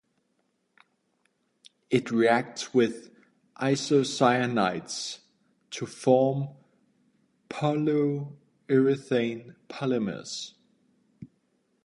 It reacts with isocyanates to form polyurethane polymers.